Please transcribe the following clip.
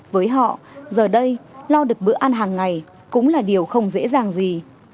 với họ giờ đây lo được bữa ăn hàng ngày cũng là điều không dễ dàng gì